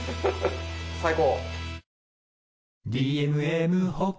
最高。